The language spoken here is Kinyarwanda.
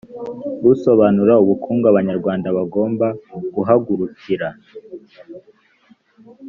usobanura ubukungu abanyarwanda bagomba guhagurukira